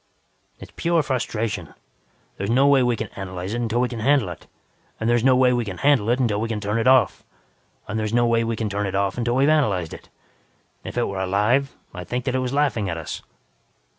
"It's pure frustration. There's no way we can analyze it until we can handle it, and no way we can handle it until we can turn it off. And there's no way we can turn it off until we have analyzed it. If it were alive, I'd think that it was laughing at us.